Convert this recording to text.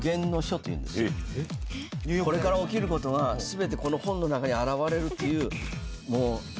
これから起きることがこの本の中に表れるっていう。